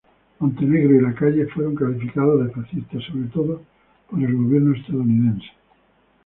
Montenegro y "La Calle" fueron calificados de fascistas, sobre todo por el gobierno estadounidense.